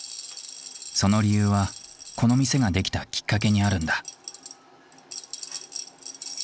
その理由はこの店ができたきっかけにあるんだ。